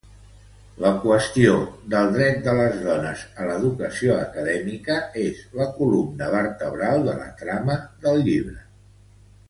La qüestió del dret de les dones a l'educació acadèmica és la columna vertebral de la trama del llibre.